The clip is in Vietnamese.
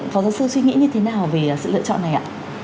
phó giáo sư suy nghĩ như thế nào về sự lựa chọn này ạ